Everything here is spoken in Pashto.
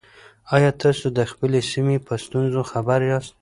آیا تاسو د خپلې سیمې په ستونزو خبر یاست؟